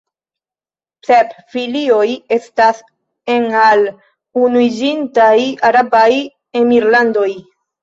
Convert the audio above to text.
Sep filioj estas en al Unuiĝintaj Arabaj Emirlandoj.